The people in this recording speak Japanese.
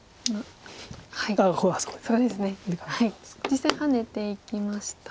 実戦ハネていきました。